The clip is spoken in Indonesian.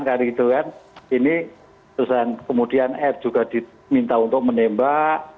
karena itu kan ini kemudian r juga diminta untuk menembak